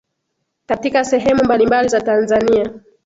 katika sehemu mbalimbali za tanzania